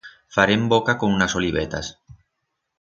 Farem boca con unas olivetas.